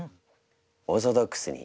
オーソドックスに。